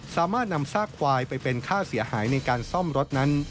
สามารถนำซากควายไปเป็นค่าเสียหายในการซ่อมรถนั้น